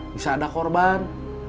bisa ada korban